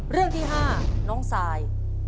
เรื่องที่๕น้องซาย